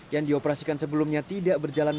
yang dioperasikan sebelumnya tidak berjalan